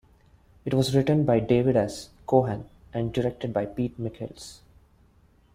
It was written by David S. Cohen and directed by Pete Michels.